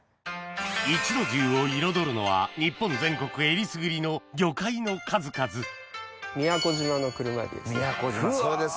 壱の重を彩るのは日本全国えりすぐりの魚介の数々宮古島の車海老ですね。